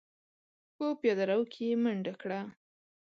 په پياده رو کې يې منډه کړه.